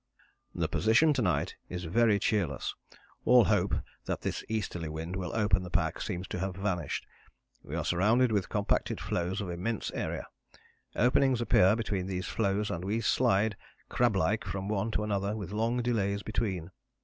"The position to night is very cheerless. All hope that this easterly wind will open the pack seems to have vanished. We are surrounded with compacted floes of immense area. Openings appear between these floes and we slide crab like from one to another with long delays between.